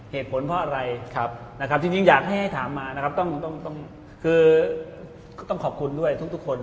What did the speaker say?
เหตุผลเพราะอะไรถึงอยากให้ให้ถามมาคือก็ต้องขอบคุณด้วยทุกคน